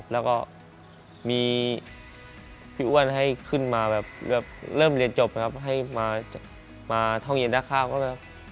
แล้วก็มีพี่อ้วนให้ขึ้นมาแบบเริ่มเรียนจบครับให้มาท่องเย็นได้ข้าวก็แบบ